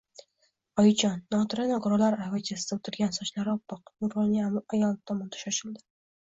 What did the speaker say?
Oyijon, Nodira nogironlar aravachasida o`tirgan sochlari oppoq, nuroniy ayol tomon shoshildi